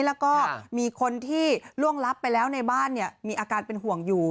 แล้วก็มีคนที่ล่วงลับไปแล้วในบ้านมีอาการเป็นห่วงอยู่